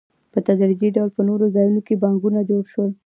په تدریجي ډول په نورو ځایونو کې بانکونه جوړ شول